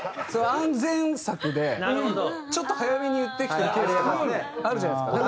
安全策でちょっと早めに言ってきてるケースとかあるじゃないですか。